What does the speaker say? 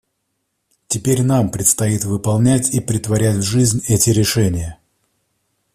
Теперь нам предстоит выполнять и претворять в жизнь эти решения.